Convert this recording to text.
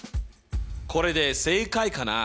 これで正解かな？